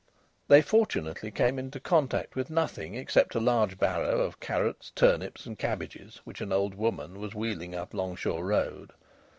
They fortunately came into contact with nothing except a large barrow of carrots, turnips, and cabbages which an old woman was wheeling up Longshaw Road.